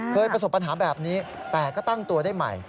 ประสบปัญหาแบบนี้แต่ก็ตั้งตัวได้ใหม่